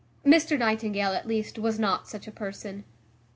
Mr Nightingale, at least, was not such a person.